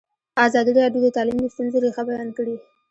ازادي راډیو د تعلیم د ستونزو رېښه بیان کړې.